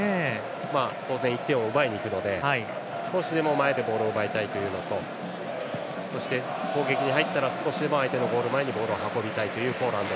当然１点を奪いにいくので少しでも前でボールを奪いたいのとそして、攻撃に入ったら少しでも相手のゴール前にボールを運びたいというポーランド。